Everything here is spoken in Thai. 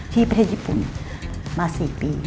ประเทศญี่ปุ่นมา๔ปี